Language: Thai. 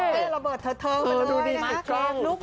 เท่ระเบิดเถอะไปเลยนะคะ